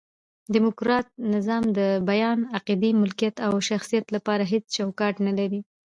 ډیموکرات نظام د بیان، عقیدې، ملکیت او شخصیت له پاره هيڅ چوکاټ نه لري.